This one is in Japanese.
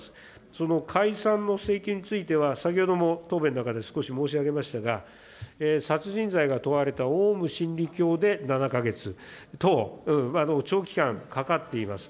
その解散の請求については、先ほども答弁の中で少し申し上げましたが、殺人罪が問われたオウム真理教で７か月と、長期間かかっています。